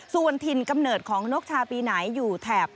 ส่วนถิ่นกำเนิดของนกชาปีไหนอยู่แถบ